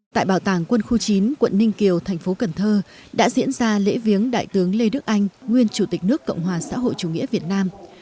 tại bảo tàng quân khu chín quận ninh kiều thành phố cần thơ đã diễn ra lễ viếng đại tướng lê đức anh nguyên chủ tịch nước cộng hòa xã hội chủ nghĩa việt nam